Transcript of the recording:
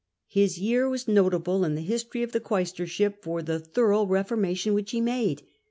His year was notable in the history of the quaestorship for the thorough reformation which he made.